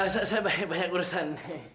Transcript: saya banyak urusan